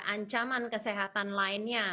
ancaman kesehatan lainnya